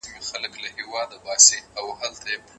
دا فیلو خپه کوي.